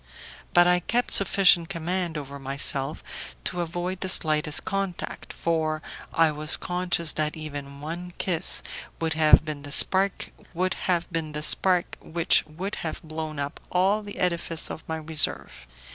But I kept sufficient command over myself to avoid the slightest contact, for I was conscious that even one kiss would have been the spark which would have blown up all the edifice of my reserve.